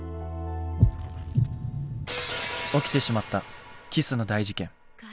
起きてしまったキスの大事件。